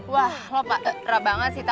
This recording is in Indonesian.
wah lo pak raba banget sih tata